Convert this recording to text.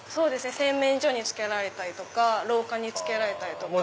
洗面所に付けられたりとか廊下に付けられたりとか。